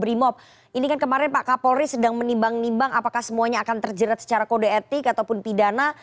brimob ini kan kemarin pak kapolri sedang menimbang nimbang apakah semuanya akan terjerat secara kode etik ataupun pidana